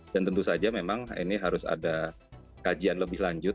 dan tentu saja memang ini harus ada kajian lebih lanjut